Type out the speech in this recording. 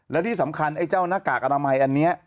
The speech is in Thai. และที่สำคัญไอ้เจ้าหน้ากากอนามัยอันนี้